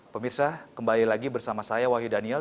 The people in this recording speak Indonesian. pemirsa kembali lagi bersama saya wahyu daniel